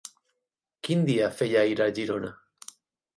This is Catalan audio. Quin dia feia ahir a Girona?